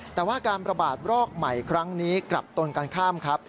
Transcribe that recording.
แต่ว่าการประบาดรอกใหม่ครั้งนี้กลับตนกันข้ามครับ